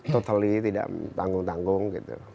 totally tidak tanggung tanggung